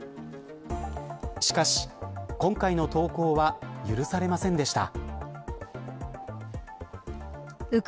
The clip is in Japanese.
しかし、今回の投稿は許されませんでした。